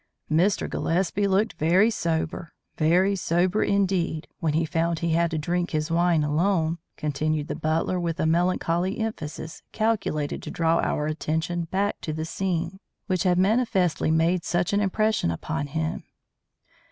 "Mr. Gillespie looked very sober, very sober indeed, when he found he had to drink his wine alone," continued the butler, with a melancholy emphasis calculated to draw our attention back to the scene which had manifestly made such an impression upon him.